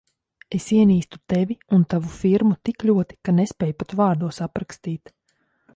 Es ienīstu Tevi un tavu firmu tik ļoti, ka nespēju pat vārdos aprakstīt.